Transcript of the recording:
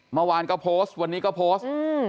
เมื่อวานก็โพสต์วันนี้ก็โพสต์